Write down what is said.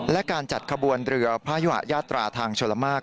และการจัดขบวนเรือพระยุหะยาตราทางชลมาก